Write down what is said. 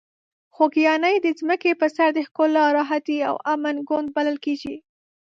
خوږیاڼي د ځمکې په سر د ښکلا، راحتي او امن ګوند بلل کیږي.